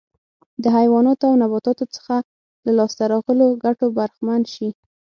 د حیواناتو او نباتاتو څخه له لاسته راغلو ګټو برخمن شي.